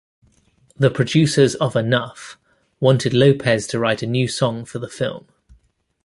The producers of "Enough" wanted Lopez to write a new song for the film.